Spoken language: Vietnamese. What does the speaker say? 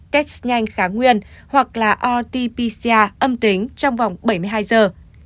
test nhanh khá nguyên hoặc rt pcr âm tính trong vòng bảy mươi hai giờ